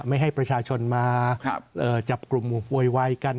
ไม่ให้ประชาชนมาจับกลุ่มโวยวายกัน